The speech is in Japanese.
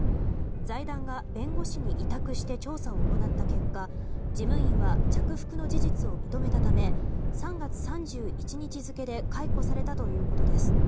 財団が弁護士に委託して調査を行った結果事務員は着服の事実を認めたため３月３１日付で解雇されたということです。